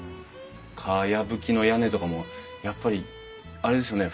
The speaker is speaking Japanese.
かやぶきの屋根とかもやっぱりあれですよね。